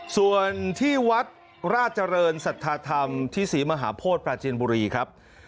ส่วนที่วัดราชเจริญสัทธาธรรมที่ศรีมหาโพธิปราจินบุรีครับ